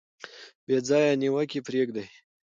بې ځایه نیوکې پریږدئ.